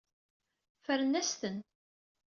Ffren-as-ten.